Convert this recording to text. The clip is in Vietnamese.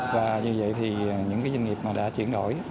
và như vậy thì những doanh nghiệp mà đã chuyển đổi